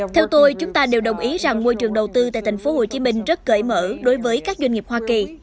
theo tôi chúng ta đều đồng ý rằng môi trường đầu tư tại thành phố hồ chí minh rất cởi mở đối với các doanh nghiệp hoa kỳ